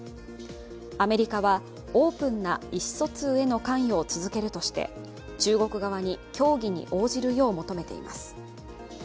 アメリカはオープンな意思疎通への関与を続けるとして中国側に協議に応じるよう求めています。